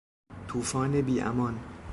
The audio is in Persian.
توفان بی امان